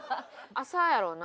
朝やろうな。